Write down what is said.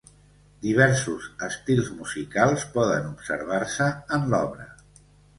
Diversos estils musicals poden observar-se en l'obra.